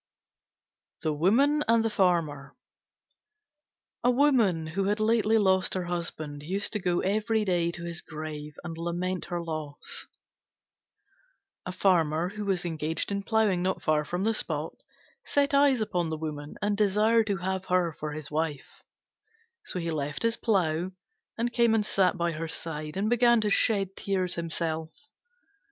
THE WOMAN AND THE FARMER A Woman, who had lately lost her husband, used to go every day to his grave and lament her loss. A Farmer, who was engaged in ploughing not far from the spot, set eyes upon the Woman and desired to have her for his wife: so he left his plough and came and sat by her side, and began to shed tears himself.